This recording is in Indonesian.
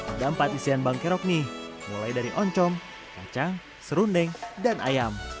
ada empat isian bangkerok nih mulai dari oncom kacang serundeng dan ayam